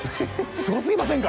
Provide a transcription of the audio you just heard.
すごすぎませんか？